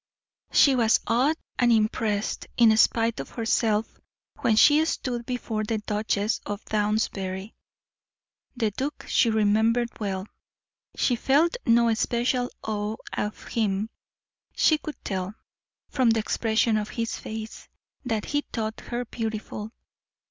She was awed and impressed, in spite of herself, when she stood before the Duchess of Downsbury. The duke she remembered well; she felt no especial awe of him; she could tell, from the expression of his face, that he thought her beautiful.